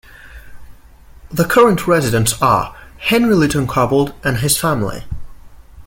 The current residents are Henry Lytton-Cobbold and his family.